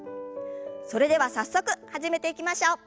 それでは早速始めていきましょう。